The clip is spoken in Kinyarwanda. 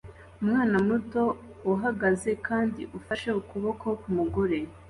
Umwana muto uhagaze kandi ufashe ukuboko k'umugore